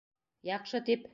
Яҡшы тип...